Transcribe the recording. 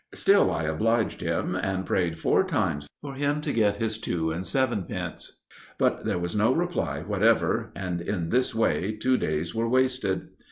Still I obliged him, and prayed four times for him to get his two and sevenpence; but there was no reply whatever; and in this way two days were wasted.